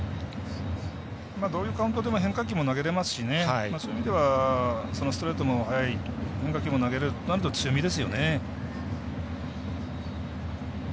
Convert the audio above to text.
どういうカウントでも変化球も投げれますしそういう意味ではストレートの速い変化球も投げれる、強みですよね。